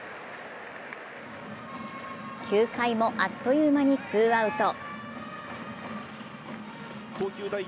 ９回もあっという間にツーアウト。